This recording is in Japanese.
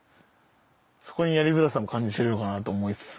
そこにやりづらさも感じてるのかなと思いつつ。